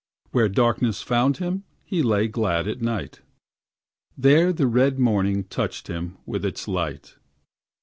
Where darkness found him he lay glad at night; There the red morning touched him with its light.